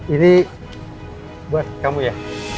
ini buat kamu ya